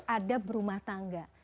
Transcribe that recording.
ada berumah tangga